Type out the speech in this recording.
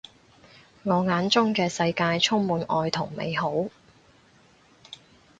我眼中嘅世界充滿愛同美好